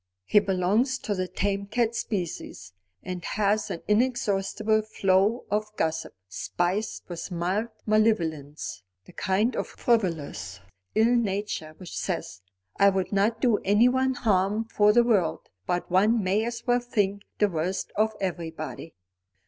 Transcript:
"He belongs to the tame cat species, and has an inexhaustible flow of gossip, spiced with mild malevolence. The kind of frivolous ill nature which says: 'I would not do anyone harm for the world, but one may as well think the worst of everybody.'"